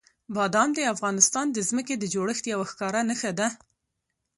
بادام د افغانستان د ځمکې د جوړښت یوه ښکاره نښه ده.